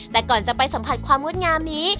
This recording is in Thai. แต่ก่อนจะไปสัมผัสความงดงามนี้